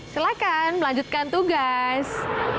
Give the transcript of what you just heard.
silahkan melanjutkan tugas